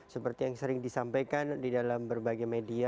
seperti yang sering disampaikan di dalam berbagai media